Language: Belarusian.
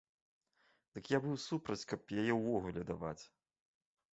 Дык я быў супраць, каб яе ўвогуле даваць.